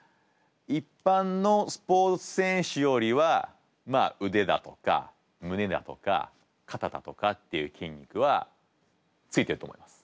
一般のスポーツ選手よりは腕だとか胸だとか肩だとかっていう筋肉はついてると思います。